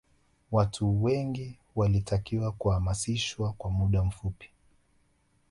watu wengi walitakiwa kuhamishwa kwa muda mfupi